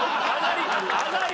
上がり！？